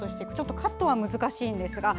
カットは難しいんですが。